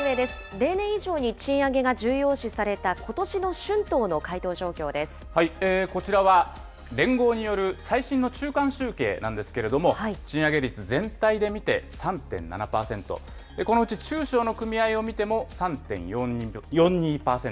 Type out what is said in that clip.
例年以上に賃上げが重要視されたこちらは、連合による最新の中間集計なんですけれども、賃上げ率、全体で見て３．７％、このうち中小の組合を見ても３．４２％。